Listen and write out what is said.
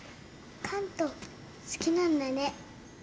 カント好きなんだね。